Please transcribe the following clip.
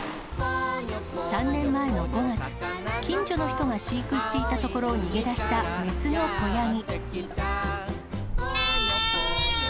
３年前の５月、近所の人が飼育していたところ逃げだした雌の子ヤギ。